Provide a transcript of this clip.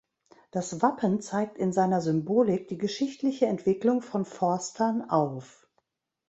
Das Wappen zeigt in seiner Symbolik die geschichtliche Entwicklung von Forstern auf.